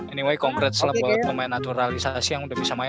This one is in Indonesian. anyway congkret lah buat pemain naturalisasi yang udah bisa main